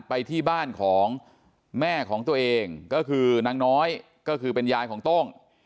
ไปที่บ้านของแม่ของตัวเองก็คือนางน้อยก็คือเป็นยายของโต้ง